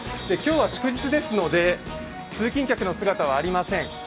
今日は祝日ですので、通勤客の姿はありません。